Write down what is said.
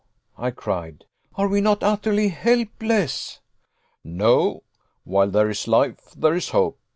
I cried. "Are we not utterly helpless?" "No! While there is life there is hope.